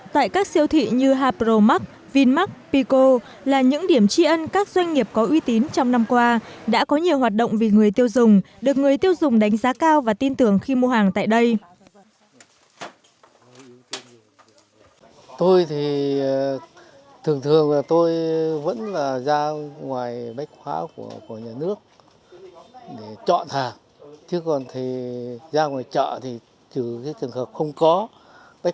tại các siêu thị như hapro max vinmax pico là những điểm tri ân các doanh nghiệp có uy tín trong năm qua đã có nhiều hoạt động vì người tiêu dùng được người tiêu dùng đánh giá cao và tin tưởng khi mua hàng tại đây